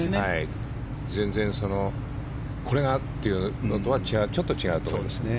全然、これがというのとはちょっと違うと思います。